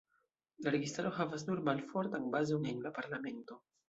La registaro havas nur malfortan bazon en la parlamento.